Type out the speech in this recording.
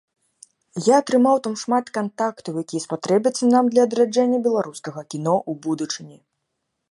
Я атрымаў там шмат кантактаў, якія спатрэбяцца нам для адраджэння беларускага кіно ў будучыні.